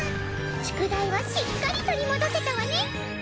宿題はしっかり取り戻せたわね！